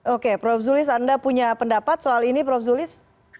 oke prof zulis anda punya pendapat soal ini prof zulis